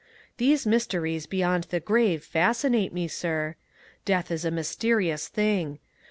These mysteries beyond the grave fascinate me, sir. Death is a mysterious thing.